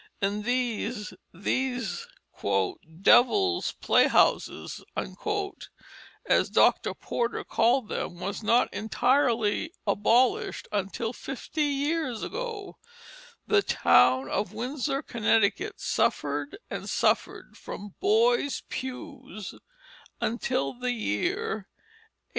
Indeed, these "Devil's play houses," as Dr. Porter called them, were not entirely abolished until fifty years ago. The town of Windsor, Connecticut, suffered and suffered from "boys pews" until the year 1845.